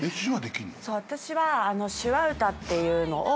私は手話歌っていうのを。